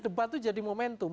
debat itu jadi momentum